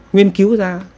nghiên cứu ra